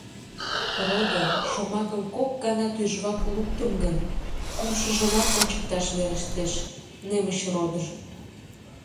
«Родо» шомакым кок гана тӱжвак луктым гын, кумшыжымат ончыкташ верештеш: Немычродо.